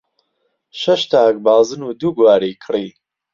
شەش تاک بازن و دوو گوارەی کڕی.